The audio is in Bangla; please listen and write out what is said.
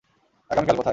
আগামীকাল, কোথায়?